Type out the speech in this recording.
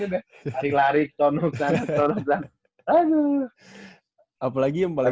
udah lari lari tonuk sana